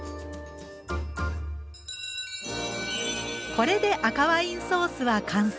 これで赤ワインソースは完成。